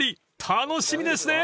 楽しみですね］